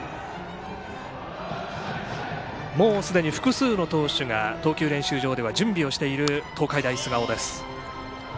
もうすでに、複数の投手が投球練習場では準備している東海大菅生です。